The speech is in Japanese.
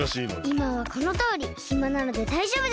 いまはこのとおりひまなのでだいじょうぶです！